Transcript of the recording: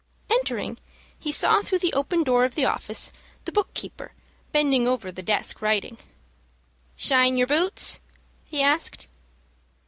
Entering, he saw through the open door of the office, the book keeper, bending over the desk writing. "Shine yer boots?" he asked.